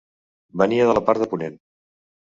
Venia de la part de ponent.